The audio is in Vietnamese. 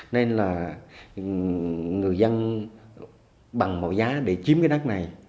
nên là người dân bằng mọi giá để chiếm cái đất này